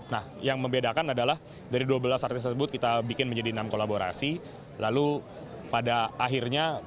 nah yang membedakan adalah dari dua belas artis tersebut kita bikin menjadi enam kolaborasi lalu pada akhirnya